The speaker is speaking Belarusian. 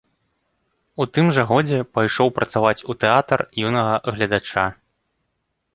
У тым жа годзе пайшоў працаваць у тэатр юнага гледача.